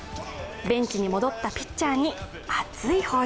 ベンチに戻ったピッチャーに熱い抱擁。